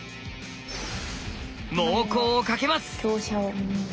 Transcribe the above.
猛攻をかけます。